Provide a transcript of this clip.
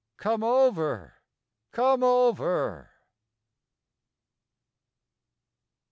Come over! Come over!"